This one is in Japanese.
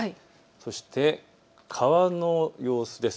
そして川の様子です。